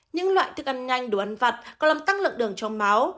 những loại thức ăn nhanh đồ ăn vặt còn làm tăng lượng đường trong máu